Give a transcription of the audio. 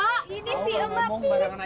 ini sih emak pilih